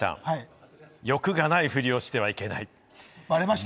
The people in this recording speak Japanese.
山ちゃん、欲がないふりをしてはいけない。